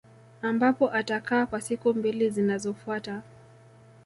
Ambapo atakaa kwa siku mbili zinazofuata